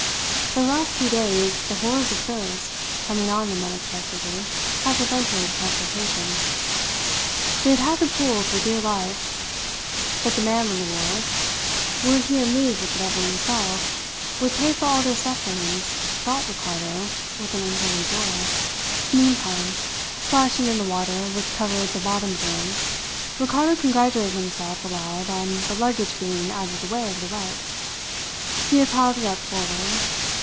For the last two days, the horrors of thirst, coming on them unexpectedly, had prevented consultation. They had had to pull for dear life. But the man on the wharf, were he in league with the devil himself, would pay for all their sufferings, thought Ricardo with an unholy joy. Meantime, splashing in the water which covered the bottom boards, Ricardo congratulated himself aloud on the luggage being out of the way of the wet. He had piled it up forward.